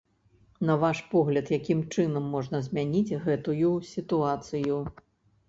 На ваш погляд, якім чынам можна змяніць гэтую сітуацыю?